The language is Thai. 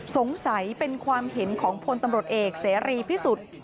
สงสัยเป็นความเห็นของพลตำรวจเอกเสรีพิสุทธิ์